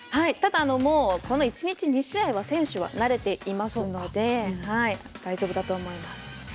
ただこの１日２試合は選手は慣れていますので大丈夫だと思います。